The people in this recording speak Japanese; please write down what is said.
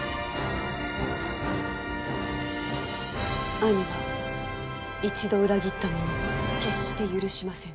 兄は一度裏切った者を決して許しませぬ。